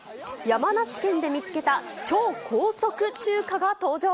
山梨県で見つけた超高速中華が登場。